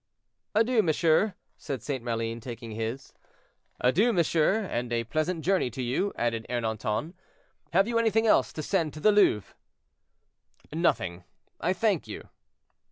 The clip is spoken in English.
"Adieu, monsieur," said St. Maline, taking his. "Adieu, monsieur, and a pleasant journey to you," added Ernanton. "Have you anything else to send to the Louvre?" "Nothing, I thank you."